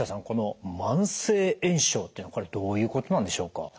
この慢性炎症っていうのはどういうことなんでしょうか？